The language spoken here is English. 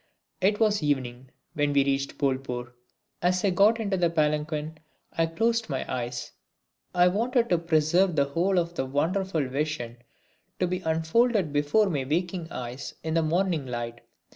It was evening when we reached Bolpur. As I got into the palanquin I closed my eyes. I wanted to preserve the whole of the wonderful vision to be unfolded before my waking eyes in the morning light.